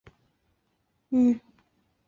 奥地利实施九年义务教育。